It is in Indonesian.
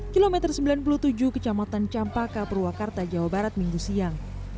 kilometer sembilan puluh tujuh kecamatan campaka purwakarta jawa barat minggu siang